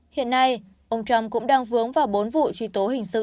hiện nay ông trump cũng đang vướng vào bốn vụ truy tố hình sự